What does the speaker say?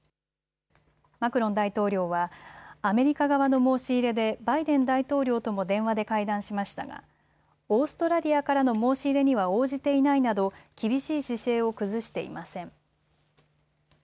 マクロン大統領はアメリカ側の申し入れでバイデン大統領とも電話で会談しましたがオーストラリアからの申し入れには応じていないなど厳しい姿勢を崩していません。